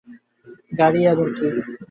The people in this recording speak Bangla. গাড়ি আবার কি?